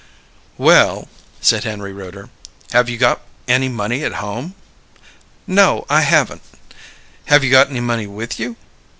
"Well," said Henry Rooter, "have you got any money at home?" "No, I haven't." "Have you got any money with you?"